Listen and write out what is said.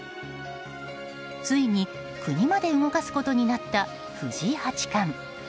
ついに国まで動かすことになった藤井八冠。